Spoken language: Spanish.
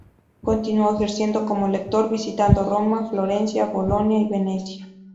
Continuó ejerciendo como lector, visitando Roma, Florencia, Bolonia y Venecia.